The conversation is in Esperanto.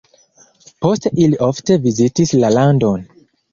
Poste ili ofte vizitis la landon.